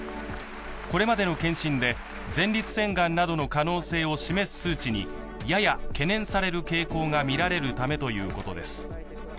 これまでの検診で前立腺がんなどの可能性を示す数値にやや懸念される傾向が見られるためということです。